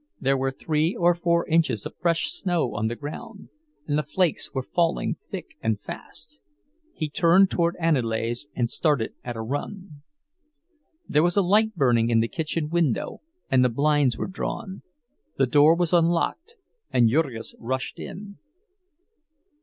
There were three or four inches of fresh snow on the ground, and the flakes were falling thick and fast. He turned toward Aniele's and started at a run. There was a light burning in the kitchen window and the blinds were drawn. The door was unlocked and Jurgis rushed in.